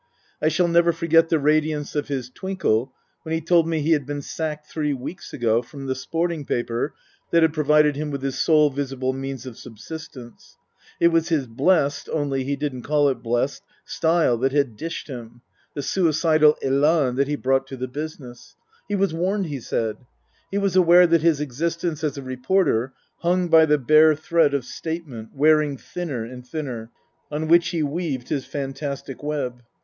I shall never forget the radiance of his twinkle when he told me he had been sacked three weeks ago from the sporting paper that had provided him with his sole visible means of subsistence. It was his blessed (only he didn't call it blessed) style that had dished him : the suicidal elan that he brought to the business. He was warned, he said. He was aware that his existence as a reporter hung by the bare thread of statement (wearing thinner and thinner) on which he weaved his fantastic web.